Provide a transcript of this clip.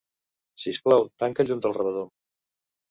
Sisplau, tanca el llum del rebedor.